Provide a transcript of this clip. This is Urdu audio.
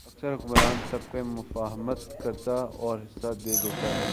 اکثر حکمران طبقہ مفاہمت کرتا اور حصہ دے دیتا ہے۔